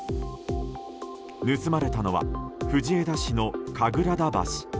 盗まれたのは藤枝市の神楽田橋。